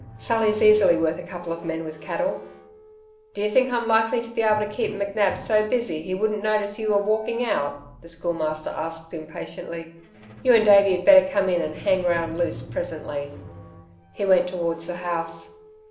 Sally's easily worth a couple of men with cattle." "Do you think I'm likely to be able to keep McNab so busy, he wouldn't notice you were walking out?" the Schoolmaster asked, impatiently. "You and Davey had better come in and hang round loose presently." He went towards the house.